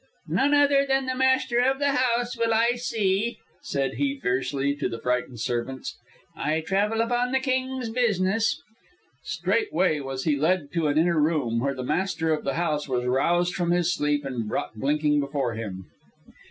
"None other than the master of the house will I see," said he fiercely to the frightened servants. "I travel upon the King's business." Straightway was he led to an inner room, where the master of the house was roused from his sleep and brought blinking before him.